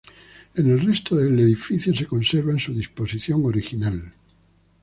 En el resto el edificio se conserva en su disposición original.